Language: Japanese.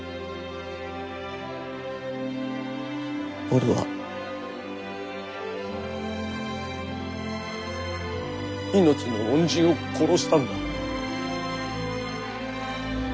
俺は命の恩人を殺したんだ。